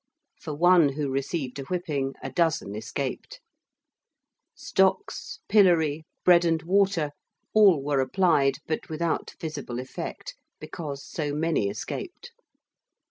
For one who received a whipping a dozen escaped. Stocks, pillory, bread and water, all were applied, but without visible effect, because so many escaped.